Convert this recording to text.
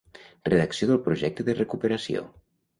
Redacció del projecte de recuperació.